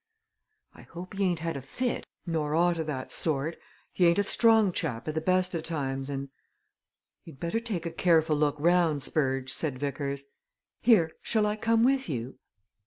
I hope he ain't had a fit, nor aught o' that sort he ain't a strong chap at the best o' times, and " "You'd better take a careful look round, Spurge," said Vickers. "Here shall I come with you?"